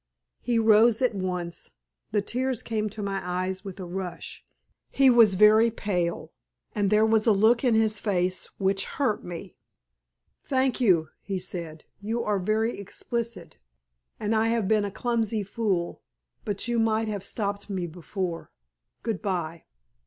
He rose at once. The tears came to my eyes with a rush. He was very pale, and there was a look in his face which hurt me. "Thank you," he said; "you are very explicit, and I have been a clumsy fool. But you might have stopped me before. Goodbye!"